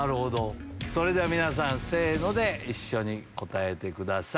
それでは皆さんせの！で一緒に答えてください。